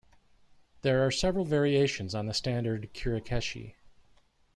There are several variations on the standard kirikaeshi.